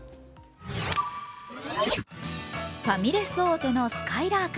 ファミレス大手のすかいらーく。